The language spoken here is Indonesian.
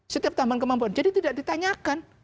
setiap tambahan kemampuan jadi tidak ditanyakan